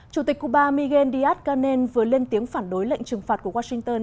chủ tịch cuba miguel díaz canel vừa lên tiếng phản đối lệnh trừng phạt của washington